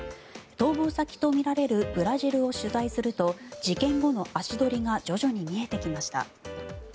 逃亡先とみられるブラジルを取材すると事件後の足取りが徐々に見えてきました。